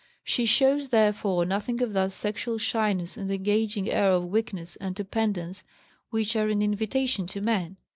She shows, therefore, nothing of that sexual shyness and engaging air of weakness and dependence which are an invitation to men.